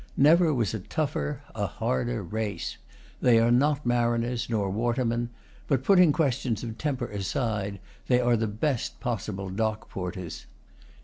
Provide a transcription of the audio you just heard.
Never was a tougher, a harder race. They are not mariners, nor watermen, but, putting questions of temper aside, they are the best possible dock porters.